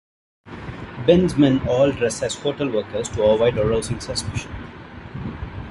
Ben's men all dress as hotel workers to avoid arousing suspicion.